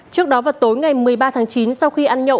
trước đó vào tối ngày một mươi ba tháng chín sau khi ăn nhậu